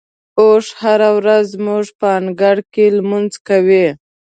اوښ هره ورځ زموږ په انګړ کې لمونځ کوي.